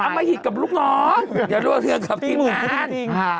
อย่าเอามาหิดกับลูกน้องอย่ารั่วเทือนกับทิพย์น้ำ